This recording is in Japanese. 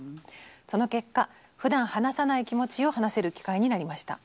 その結果ふだん話さない気持ちを話せる機会になりました。